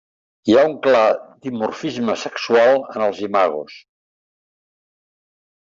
Hi ha un clar dimorfisme sexual en els imagos.